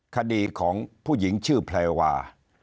คดีของผู้หญิงชื่อแพรวา